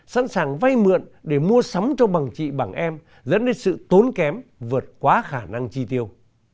sẵn sàng vay mượn để mua sắm cho bằng chị bằng em dẫn đến sự tốn kém vượt quá khả năng chi tiêu